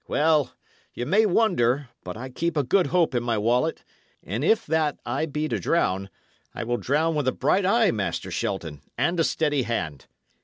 Well, ye may wonder, but I keep a good hope in my wallet; and if that I be to drown, I will drown with a bright eye, Master Shelton, and a steady hand."